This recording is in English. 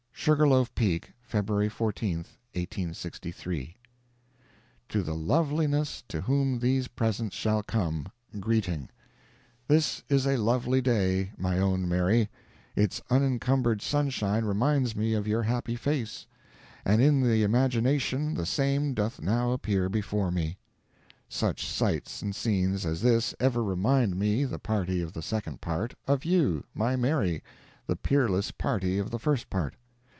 SUGAR LOAF PEAK, February 14, 1863. To the loveliness to whom these presents shall come, greeting:—This is a lovely day, my own Mary; its unencumbered sunshine reminds me of your happy face, and in the imagination the same doth now appear before me. Such sights and scenes as this ever remind me, the party of the second part, of you, my Mary, the peerless party of the first part.